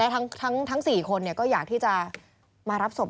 ทั้ง๔คนก็อยากที่จะมารับศพ